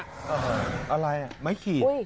อะไรไม้ขีด